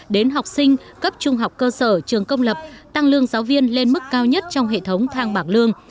đến học sinh cấp trung học cơ sở trường công lập tăng lương giáo viên lên mức cao nhất trong hệ thống thang bảng lương